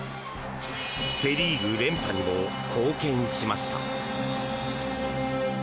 セ・リーグ連覇にも貢献しました。